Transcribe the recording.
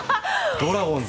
ドラゴンズに。